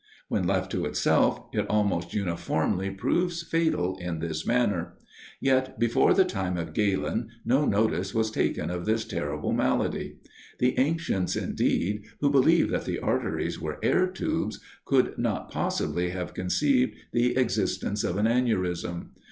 When left to itself, it almost uniformly proves fatal in this manner; yet, before the time of Galen, no notice was taken of this terrible malady. The ancients, indeed, who believed that the arteries were air tubes, could not possibly have conceived the existence of an aneurism.